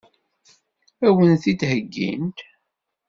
Ad wen-t-id-heggint?